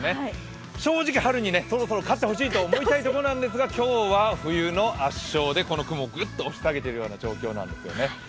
正直、春にそろそろなってほしいと思うところですが今日は冬の圧勝で、この雲をグッと押し下げている状況なんですよね。